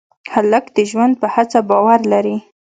هلک د ژوند په هڅه باور لري.